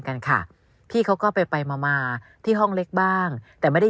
กันค่ะพี่เขาก็ไปไปมามาที่ห้องเล็กบ้างแต่ไม่ได้